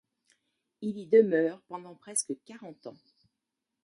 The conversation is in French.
Il y demeure pendant presque quarante ans.